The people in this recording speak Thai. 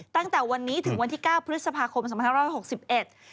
ตั้งแต่วันนี้ถึงวันที่๙พฤษภาคมสัปดาห์๒๑๖๑